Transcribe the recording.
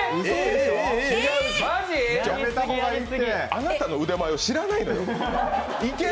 あなたの腕前を知らないのよ、いける？